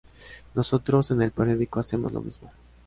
Nosotros en el periódico hacemos lo mismo.